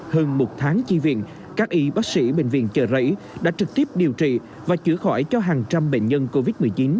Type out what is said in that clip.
hơn một tháng chi viện các y bác sĩ bệnh viện chợ rẫy đã trực tiếp điều trị và chữa khỏi cho hàng trăm bệnh nhân covid một mươi chín